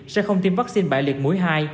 sẽ không tiêm vaccine bại liệt mũi hai